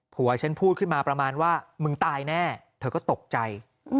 ผัวฉันพูดขึ้นมาประมาณว่ามึงตายแน่เธอก็ตกใจ